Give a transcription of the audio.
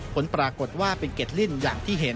ผลปรากฏว่าเป็นเก็ดลิ่นอย่างที่เห็น